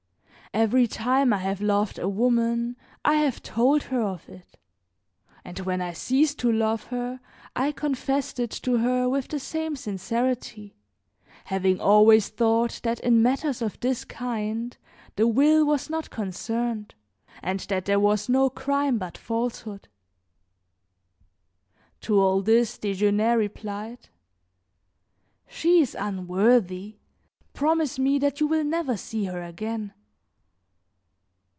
Every time I have loved a woman I have told her of it, and when I ceased to love her I confessed it to her with the same sincerity, having always thought that in matters of this kind the will was not concerned and that there was no crime but falsehood. To all this Desgenais replied: "She is unworthy; promise me that you will never see her again."